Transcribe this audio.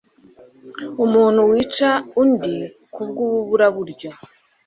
umuntu wica undi bw ububuraburyo